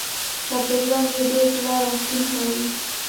چاپېریال یې ډېر زړه راښکونکی و.